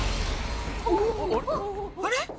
あれ？